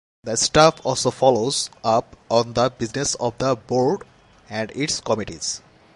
The staff also follows-up on the business of the Board and its committees.